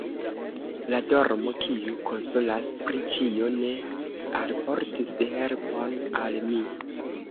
La dormo, kiu konsolas pri ĉio, ne alportis helpon al mi.